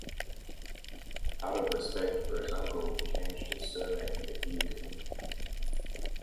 Out of respect for his uncle he changed his surname to Eger.